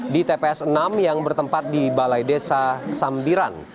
di tps enam yang bertempat di balai desa sambiran